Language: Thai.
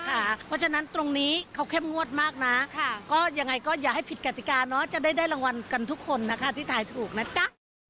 เพราะฉะนั้นตรงนี้เขาเข้มงวดมากนะก็ยังไงก็อย่าให้ผิดกติกาเนอะจะได้รางวัลกันทุกคนนะคะที่ถ่ายถูกนะจ๊ะ